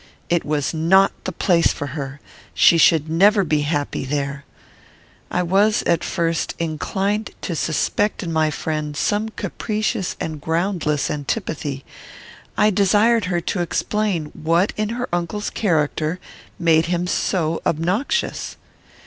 It was not the place for her. She should never be happy there. I was, at first, inclined to suspect in my friend some capricious and groundless antipathy. I desired her to explain what in her uncle's character made him so obnoxious.